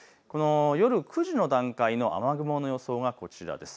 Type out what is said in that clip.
夜９時の段階の雨雲の予想がこちらです。